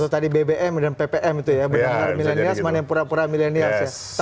tadi bbm dan ppm itu ya benar benar milenials mana yang pura pura milenials ya